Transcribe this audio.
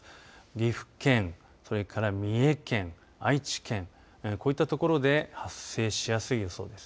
岐阜県、それから三重県愛知県、そういったところで発生しやすい予想です。